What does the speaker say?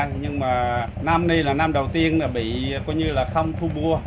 nhưng mà năm này là năm đầu tiên bị không thu bua